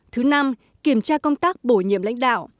thứ năm kiểm tra công tác bổ nhiệm lãnh đạo